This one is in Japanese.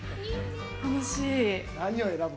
楽しい。